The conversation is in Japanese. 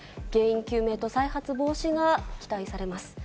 原因究明と再発防止が期待されます。